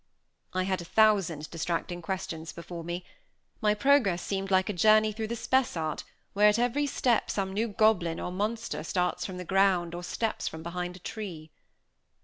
I had a thousand distracting questions before me. My progress seemed like a journey through the Spessart, where at every step some new goblin or monster starts from the ground or steps from behind a tree.